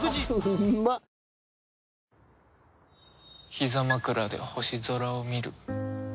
ひざ枕で星空を見る。